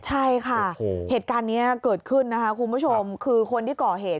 ใช่ค่ะเหตุการณ์นี้เกิดขึ้นนะคะคุณผู้ชมคือคนที่ก่อเหตุ